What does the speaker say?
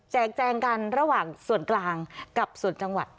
แจงกันระหว่างส่วนกลางกับส่วนจังหวัด